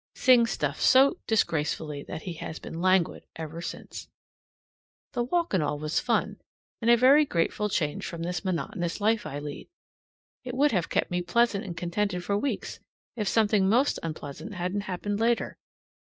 Sing stuffed so disgracefully that he has been languid ever since. The walk and all was fun, and a very grateful change from this monotonous life I lead. It would have kept me pleasant and contented for weeks if something most unpleasant hadn't happened later.